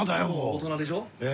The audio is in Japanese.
大人でしょ？へ。